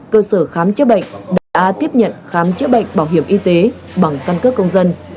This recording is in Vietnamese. một trăm linh cơ sở khám chữa bệnh đã tiếp nhận khám chữa bệnh bảo hiểm y tế bằng căn cơ công dân